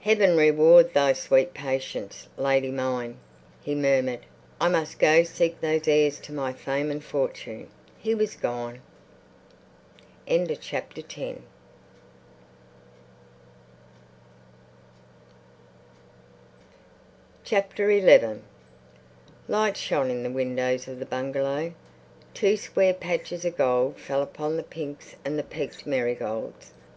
"Heaven reward thy sweet patience, lady mine," he murmured. "I must go seek those heirs to my fame and fortune...." He was gone. XI Light shone in the windows of the bungalow. Two square patches of gold fell upon the pinks and the peaked marigolds.